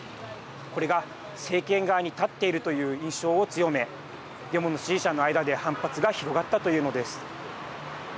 これが、政権側に立っているという印象を強めデモの支持者の間で反発が広がったというのです。